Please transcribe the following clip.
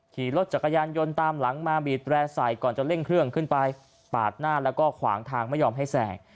ขี่รถจักรยานยนต์ตามหลังมาบีดแร่ใส่ก่อนจะเร่งเครื่องขึ้นไปปาดหน้าแล้วก็ขวางทางไม่ยอมให้แสง